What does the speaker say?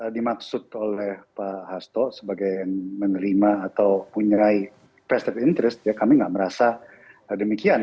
dimaksud oleh pak hasto sebagai yang menerima atau punya pesta interest ya kami nggak merasa demikian